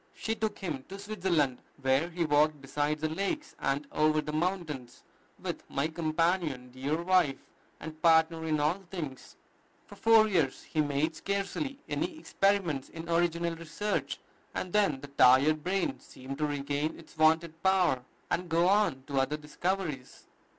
She took him to Switzerland, where he walked beside the lakes and over the mountains with "my companion, dear wife, and partner in all things." For four years he made scarcely any experiments in original research, and then the tired brain seemed to regain its wonted power, and go on to other discoveries.